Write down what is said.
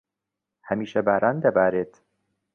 هەمیشە باران دەبارێت.